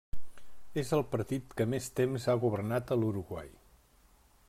És el partit que més temps ha governat a l'Uruguai.